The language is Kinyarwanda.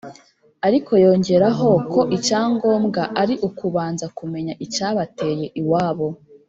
ariko yongeraho ko icyangombwa ari ukubanza kumenya icyabateye iwabo